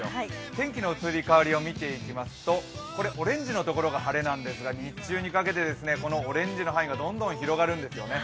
天気の移り変わりを見ていきますとオレンジのところが晴れなんですが日中にかけてオレンジの範囲がどんどん広がるんですよね。